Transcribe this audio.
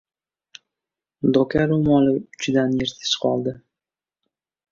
Doka ro‘moli uchidan yirtish oldi.